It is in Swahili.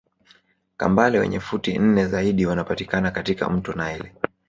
Kambale wenye futi nne zaidi wanapatikana katika mto naili